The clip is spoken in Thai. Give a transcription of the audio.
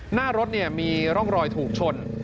หน้ารถมีร่องรอยถูกชน